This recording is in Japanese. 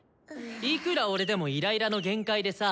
いくら俺でもイライラの限界でさ。